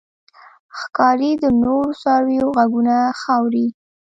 ښکاري د نورو څارویو غږونه ښه اوري.